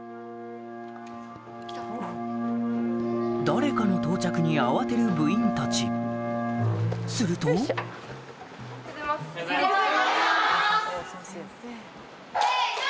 誰かの到着に慌てる部員たちすると・せの！